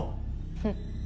フッ！